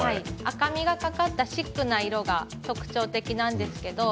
赤みがかかったシックな色が特徴です。